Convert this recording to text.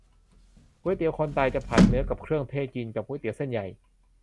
ก๋วยเตี๋ยวคนตาย จะผัดเนื้อกับเครื่องเทศ กินกับก๋วยเตี๋ยวเส้นใหญ่